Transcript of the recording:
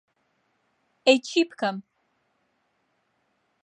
ئەی چی بکەم؟